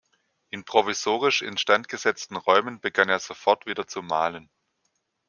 In provisorisch instandgesetzten Räumen begann er sofort wieder zu malen.